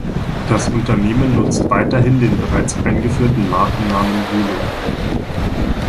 Das Unternehmen nutzt weiterhin den bereits eingeführten Markennamen Wuling.